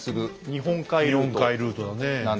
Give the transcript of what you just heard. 日本海ルートだねえ。